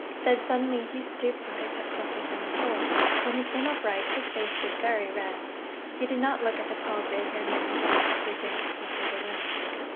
Then suddenly he stooped and picked up something from the floor. When he came upright his face was very red. He did not look at the tall, gray haired man again as he advanced into the room.